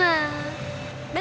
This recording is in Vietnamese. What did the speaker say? mẹ đánh lên